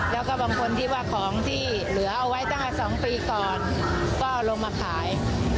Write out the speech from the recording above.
แล้วก็บางคนที่ว่าของที่เหลือเอาไว้ตั้งแต่๒ปีก่อนก็ลงมาขาย